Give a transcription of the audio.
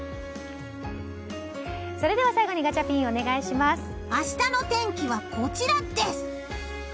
それでは最後にガチャピン明日の天気はこちらです。